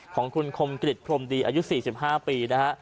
ของคุณคมกริจพรมดีอายุ๔๕ปีนะฮะ